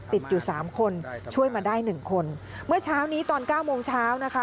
ติดอยู่สามคนช่วยมาได้หนึ่งคนเมื่อเช้านี้ตอนเก้าโมงเช้านะคะ